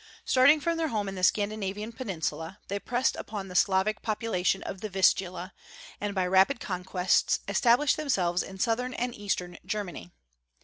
"Starting from their home in the Scandinavian peninsula, they pressed upon the Slavic population of the Vistula, and by rapid conquests established themselves in southern and eastern Germany.